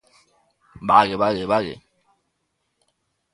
¡Vale, vale, vale!